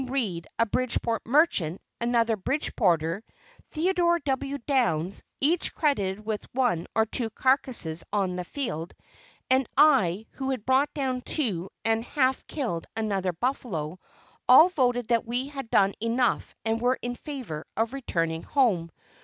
Read, a Bridgeport merchant; another Bridgeporter, Theodore W. Downs each credited with one or two carcases on the field; and I who had brought down two and had half killed another buffalo, all voted that we had done enough and were in favor of returning home.